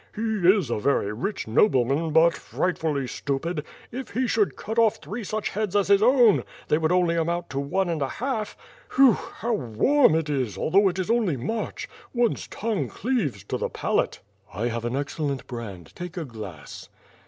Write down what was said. "He is a very rich nobleman, but frightfully stupid; if he should cut off three such heads as his own, they would only amount to one and a half. Phew! how warm it is, al though it is only March. One's tongue cleaves to the palate." "I have an excellent brand. Take a glass." WITH FIRE AND SWORD.